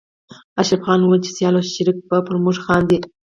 اشرف خان ويل چې سيال او شريک به پر موږ خاندي